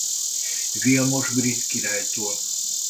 Vilmos brit királytól.